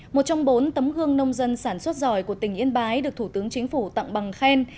một trong bốn tấm gương nông dân sản xuất giỏi của tỉnh yên bái được thủ tướng chính phủ tặng bằng khen